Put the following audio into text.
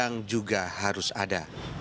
yang juga harus ada